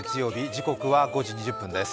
時刻は５時２０分です。